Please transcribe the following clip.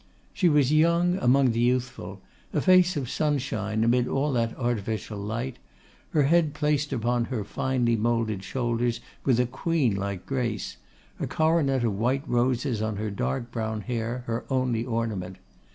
She was young among the youthful; a face of sunshine amid all that artificial light; her head placed upon her finely moulded shoulders with a queen like grace; a coronet of white roses on her dark brown hair; her only ornament.